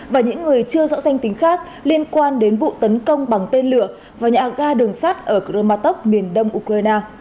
và những người chưa rõ danh tính khác liên quan đến vụ tấn công bằng tên lửa và nhạc ga đường sát ở khromatov miền đông ukraine